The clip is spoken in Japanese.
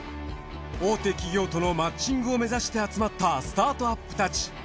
大手企業とのマッチングを目指して集まったスタートアップたち。